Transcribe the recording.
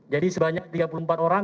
jadi sebanyak tiga puluh empat orang